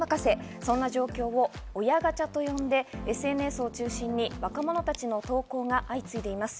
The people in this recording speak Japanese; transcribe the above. そんな状況を親ガチャと呼んで、ＳＮＳを中心に若者たちの投稿が相次いでいます。